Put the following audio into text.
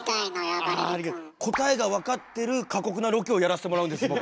答えがわかってる過酷なロケをやらせてもらうんです僕。